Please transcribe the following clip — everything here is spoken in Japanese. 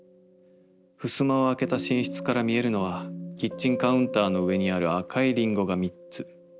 襖を開けた寝室から見えるのはキッチンカウンターの上にある赤い林檎がみっつ。